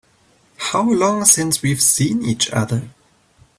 How long since we've seen each other?